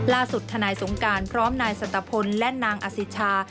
ล่าสุดธนายสงการพร้อมนายสตะพลและนางอสิชา